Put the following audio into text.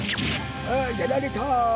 ああやられた！